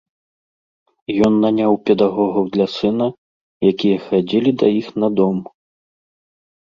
Ён наняў педагогаў для сына, якія хадзілі да іх на дом.